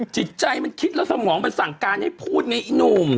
จิตใจมันคิดแล้วสมองมันสั่งการให้พูดไงอีหนุ่ม